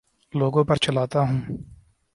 لوگوں پر چلاتا ہوں